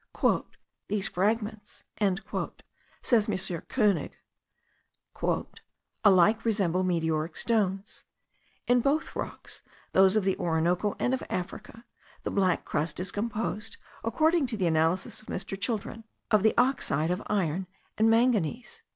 "These fragments," says Mr. Koenig, "alike resemble meteoric stones; in both rocks, those of the Orinoco and of Africa, the black crust is composed, according to the analysis of Mr. Children, of the oxide of iron and manganese."